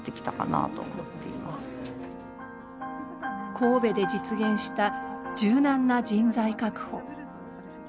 神戸で実現した柔軟な人材確保。